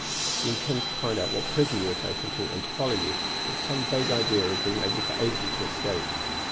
"He intends to find out what prison you are taken to, and to follow you, with some vague idea of being able to aid you to escape.